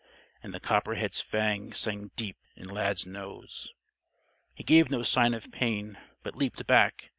And the copperhead's fangs sank deep in Lad's nose. He gave no sign of pain; but leaped back.